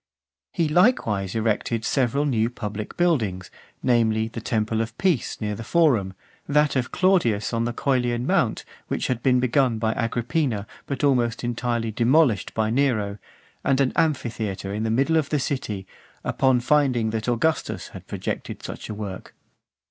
IX. He likewise erected several new public buildings, namely, the temple of Peace near the Forum, that of Claudius on the (453) Coelian mount, which had been begun by Agrippina, but almost entirely demolished by Nero ; and an amphitheatre in the middle of the city, upon finding that Augustus had projected such a work.